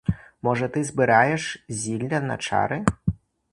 Може, ти збираєш зілля на чари?